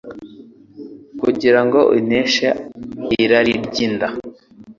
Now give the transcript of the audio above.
Kugira ngo aneshe irari ry’inda,